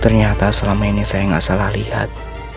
ternyata selama ini saya nggak salah lihat